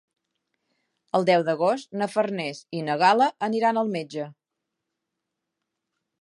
El deu d'agost na Farners i na Gal·la aniran al metge.